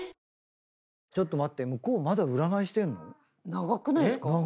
長くないですか？